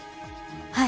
はい。